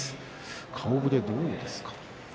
顔ぶれ、どうですか。